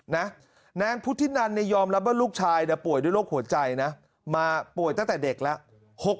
นางพุทธินันเนี่ยยอมรับว่าลูกชายป่วยด้วยโรคหัวใจนะมาป่วยตั้งแต่เด็กแล้ว